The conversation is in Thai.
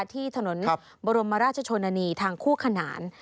ที่ถนนบรมราชชนนานีทางคู่ขนาน